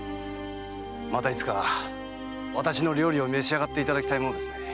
またいつか私の料理を召し上がっていただきたいですね。